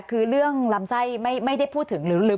คือเรื่องลำไส้ไม่ได้พูดถึงหรือ